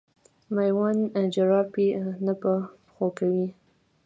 مېوند جراپي نه په پښو کوي.